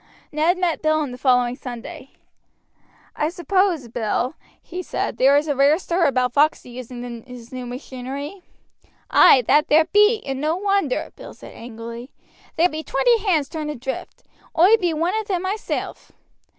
Ned met Bill on the following Sunday. "I suppose, Bill," he said, "there is a rare stir about Foxey using his new machinery?" "Ay, that there be, and no wonder," Bill said angrily, "there be twenty hands turned adrift. Oi bee one of them myself."